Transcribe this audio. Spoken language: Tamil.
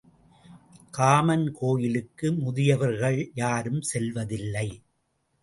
காமன் கோயிலுக்கு முதியவர்கள் யாரும் செல்வதில்லை.